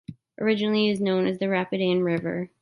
Originally, it was known as the Rapid Ann River.